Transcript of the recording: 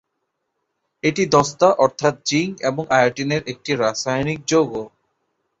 এটি দস্তা অর্থাৎ জিংক এবং আয়োডিনের একটি রাসায়নিক যৌগ।